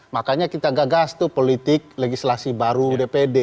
makanya kita gagas tuh politik legislasi baru dpd